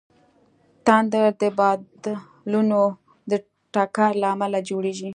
تندر د بادلونو د ټکر له امله جوړېږي.